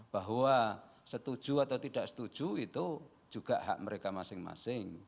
bahwa setuju atau tidak setuju itu juga hak mereka masing masing